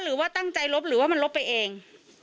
หรือว่าตั้งใจลบหรือว่ามันลบไปเอง